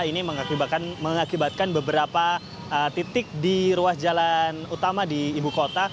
ini mengakibatkan beberapa titik di ruas jalan utama di ibu kota